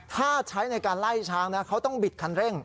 ถ้าใช้ในการไล่ช้างนะเขาต้องบิดคันเร่ง